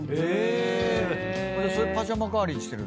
それパジャマ代わりにしてる？